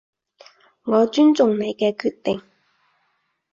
我尊重你嘅決定